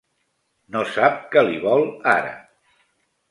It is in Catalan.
No sap què li vol, ara.